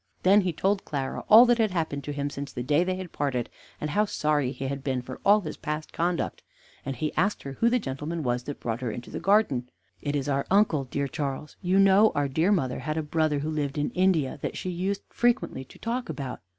Then he told Clara all that had happened to him since the day they had parted, and how sorry he had been for all his past conduct, and he asked her who the gentleman was that had brought her into the garden. "It is our uncle, dear Charles. You know our dear mother had a brother who lived in India that she used frequently to talk about.